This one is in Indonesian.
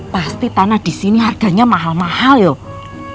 pasti tanah disini harganya mahal mahal yuk